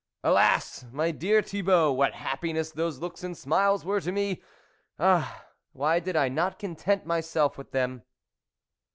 Alas ! my dear Thibault, what happiness those looks and smiles were to me !.... Ah ! why did I not content myself with them